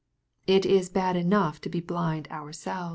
It is bad enough to bejalind ourselves.